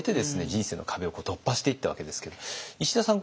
人生の壁を突破していったわけですけど石田さん